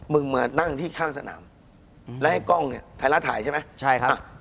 มึงมานั่งที่ข้างสนามแล้วให้กล้องเนี่ยไทยรัฐถ่ายใช่ไหมใช่ครับ